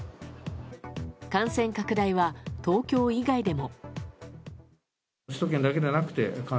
感染拡大は東京以外でも。